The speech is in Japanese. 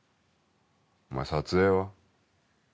お前撮影は？